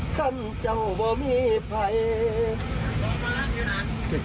คันเจ้าบ่มีไผ่